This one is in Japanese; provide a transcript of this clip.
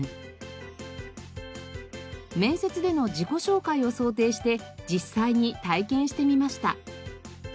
面接での自己紹介を想定して実際に体験してみました。